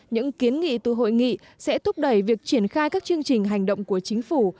những kiến nghị từ hội nghị sẽ thúc đẩy việc triển khai các chương trình hành động của chính phủ